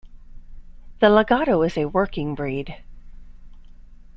The Lagotto is a working breed.